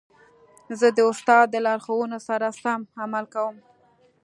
زه د استاد د لارښوونو سره سم عمل کوم.